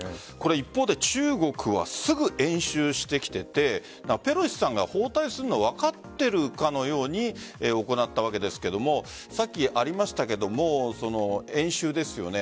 一方で中国はすぐ演習してきていてペロシさんが訪台するのを分かっているかのように行ったわけですがさっきありましたが演習ですよね。